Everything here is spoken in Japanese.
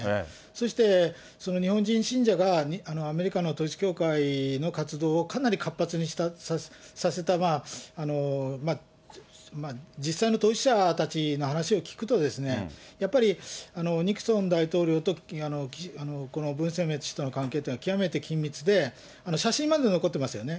そして、日本人信者がアメリカの統一教会の活動をかなり活発にさせた、実際の統一者たちの話を聞くと、やっぱりニクソン大統領とこの文鮮明という人の関係っていうのは、極めて緊密で、写真まで残ってますよね。